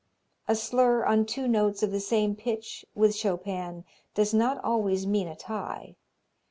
A slur on two notes of the same pitch with Chopin does not always mean a tie.